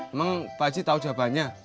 emang pak haji tau jawabannya